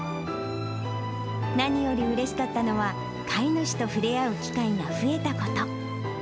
何よりうれしかったのは、飼い主と触れ合う機会が増えたこと。